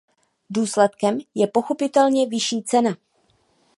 Důsledkem je pochopitelně vyšší cena.